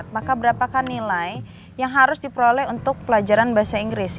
maka berapakah nilai yang harus diperoleh untuk pelajaran bahasa inggris